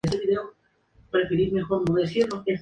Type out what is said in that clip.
Esta dinastía empleó el nombre de Shah.